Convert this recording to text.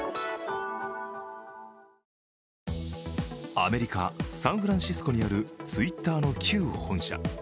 アメリカ・サンフランシスコにあるＴｗｉｔｔｅｒの旧本社。